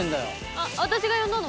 「あっ私が呼んだの」